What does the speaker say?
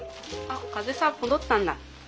あっ風さん戻ったんだ。